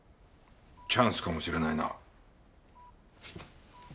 チャンスかもしれないな。